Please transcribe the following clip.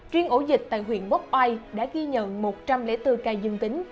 riêng ổ dịch tại huyện quốc oai đã ghi nhận một trăm linh bốn ca dương tính